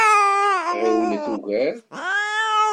Ɣiwlet ugar!